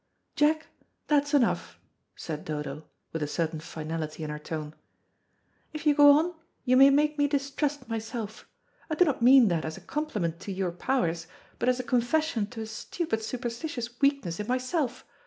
"Jack, that's enough," said Dodo, with a certain finality in her tone. "If you go on, you may make me distrust myself. I do not mean that as a compliment to your powers, but as a confession to a stupid superstitious weakness in myself.